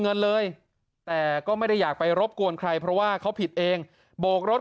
เงินเลยแต่ก็ไม่ได้อยากไปรบกวนใครเพราะว่าเขาผิดเองโบกรถ